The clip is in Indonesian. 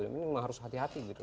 memang harus hati hati gitu